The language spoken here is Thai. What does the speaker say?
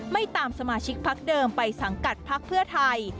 ไม่ตามสมาชิกพักเดิมไปสังกัดพักเพื่อไทย